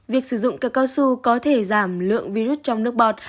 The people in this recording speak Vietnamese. việc sử dụng cự cao su có thể giảm lượng virus trong nước bọt